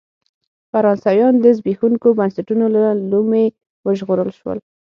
فرانسویان د زبېښونکو بنسټونو له لومې وژغورل شول.